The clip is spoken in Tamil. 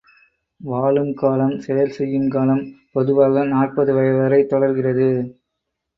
வாழும் காலம் செயல் செய்யும் காலம் பொதுவாக நாற்பது வயது வரை தொடர்கிறது.